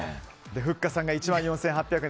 ふっかさんが１万４８００円。